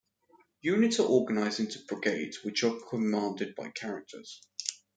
Units are organised into brigades which are commanded by characters.